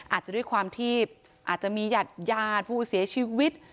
อาจจะด้วยความที่อาจจะมีหัดญาติผู้เสียชีวิต